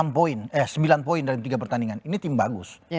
sembilan poin dari tiga pertandingan ini tim bagus